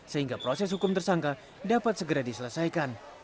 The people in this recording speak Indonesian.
sehingga proses hukum tersangka dapat segera diselesaikan